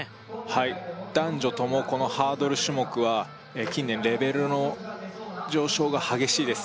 はい男女共このハードル種目は近年レベルの上昇が激しいです